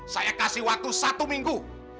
saya kasih waktu satu minggu